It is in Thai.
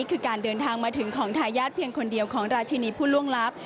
คือการเดินทางมาถึงของทายาทเพียงคนเดียวของราชินีผู้ล่วงลับ